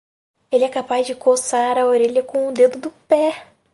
Ele é capaz de coçar a orelha com o dedo do pé.